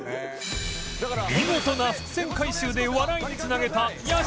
見事な伏線回収で笑いに繋げた屋敷